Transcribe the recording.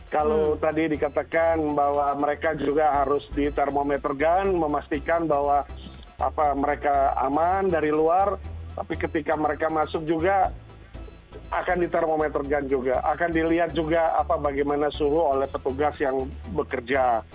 kalau tadi dikatakan bahwa mereka juga harus di termometer gun juga akan dilihat juga bagaimana suhu oleh petugas yang bekerja